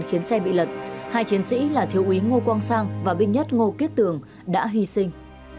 khiến xe bị lật hai chiến sĩ là thiếu úy ngô quang sang và binh nhất ngô kết tường đã hy sinh